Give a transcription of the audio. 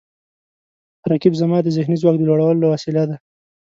رقیب زما د ذهني ځواک د لوړولو وسیله ده